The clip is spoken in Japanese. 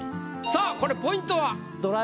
さあこれポイントは？